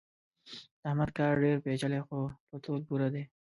د احمد کار ډېر پېچلی خو په تول پوره دی.